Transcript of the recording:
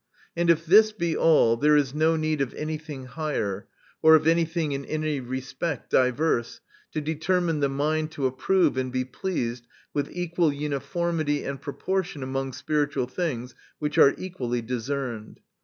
And if this be all, there is no need of any thing higher, or of any thing in any respect diverse, to determine the mind to approve and be pleased with equal uniformity and proportion among spiritual things which are equally discerned.